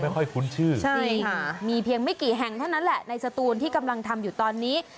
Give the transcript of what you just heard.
ค่อยคุ้นชื่อจริงมีเพียงไม่กี่แห่งเท่านั้นแหละในสตูนที่กำลังทำอยู่ตอนนี้